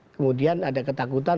kemudian ada ketakutan